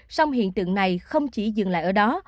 song hiện tượng này không chỉ dừng lại ở đó